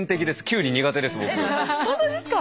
本当ですか？